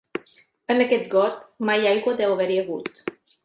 En aquest got mai aigua deu haver-hi hagut.